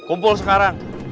helo kumpul sekarang